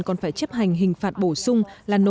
còn phải chấp hành hình phạt bổ sung